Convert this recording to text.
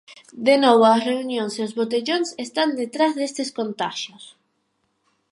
De novo as reunións e os botellóns están detrás destes contaxios.